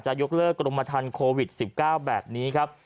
จัดยกเลิกกรมธรรมคโควิด๑๙แบบนี้